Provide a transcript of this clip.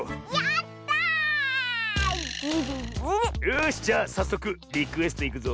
よしじゃあさっそくリクエストいくぞ。